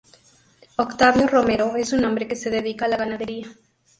Octavio Romero es un hombre que se dedica a la ganadería.